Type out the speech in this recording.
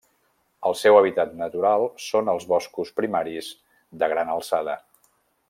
El seu hàbitat natural són els boscos primaris de gran alçada.